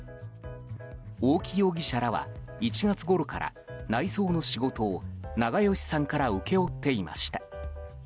大木容疑者らは１月ごろから内装の仕事を長葭さんから請け負っていました。